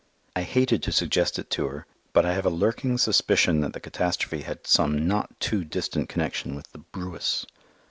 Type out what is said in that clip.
I hated to suggest it to her, but I have a lurking suspicion that the catastrophe had some not too distant connection with the "brewis."